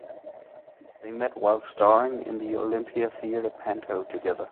They met while starring in the Olympia Theatre panto together.